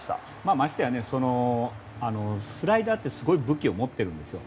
ましてやスライダーってすごい武器を持ってるんですよ。